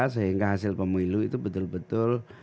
sehingga hasil pemilu itu betul betul